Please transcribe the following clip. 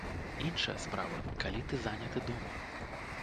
Іншая справа, калі ты заняты дома.